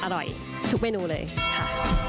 อร่อยทุกเมนูเลยค่ะ